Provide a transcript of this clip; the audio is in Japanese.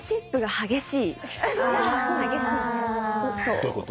どういうこと？